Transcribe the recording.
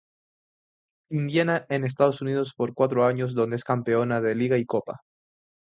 Indiana en Estados Unidos por cuatro años donde es Campeona de Liga y Copa.